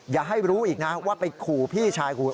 อย่าให้รู้อีกนะว่าไปขู่พี่ชายคุณ